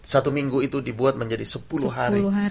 satu minggu itu dibuat menjadi sepuluh hari